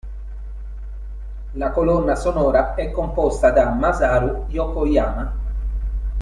La colonna sonora è composta da Masaru Yokoyama.